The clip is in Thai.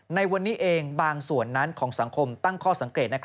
ในวันนี้เองบางส่วนนั้นของสังคมตั้งข้อสังเกต